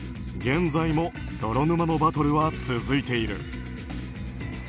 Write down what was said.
現在も泥沼のバトルは続いている。